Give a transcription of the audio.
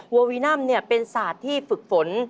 โววีนัมเนี่ยเป็นศาสตร์ที่ฝึกฝน